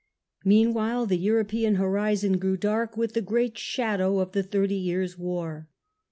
Meanwhile the European horizon grew dark with the great shadow of the Thirty Years' War.